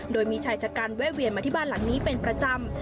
โดยมีชายชะกันแวะเวียนมาที่บ้านหลังนี้เป็นประจำ